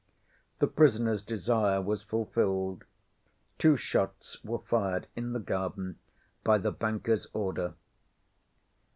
The prisoner's desire was fulfilled. Two shots were fired in the garden by the banker's order.